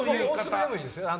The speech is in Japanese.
大粒でもいいですよ。